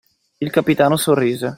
Il capitano sorrise.